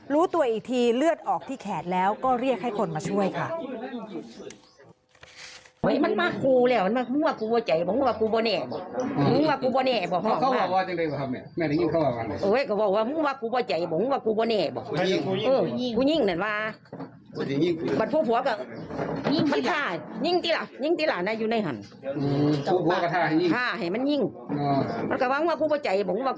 รู้ตัวอีกทีเลือดออกที่แขนแล้วก็เรียกให้คนมาช่วยค่ะ